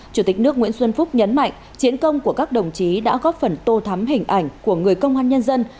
chủ tịch nước nguyễn xuân phúc nhấn mạnh chiến công của các đồng chí đã góp phần tô thắm hình ảnh của người công an nhân dân